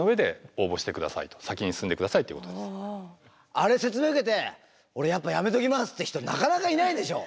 あれ説明受けて「俺やっぱやめときます」って人なかなかいないでしょう。